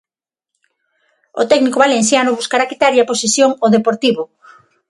O técnico valenciano buscará quitarlle a posesión ao Deportivo.